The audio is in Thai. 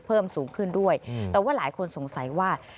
เพิ่มสูงขึ้นด้วยแต่ว่าหลายคนสงสัยว่า